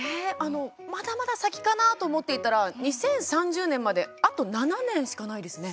まだまだ先かなと思っていたら２０３０年まであと７年しかないですね。